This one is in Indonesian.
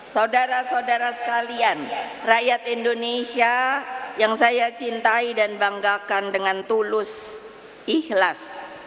saudara saudara sekalian rakyat indonesia yang saya cintai dan banggakan dengan tulus ikhlas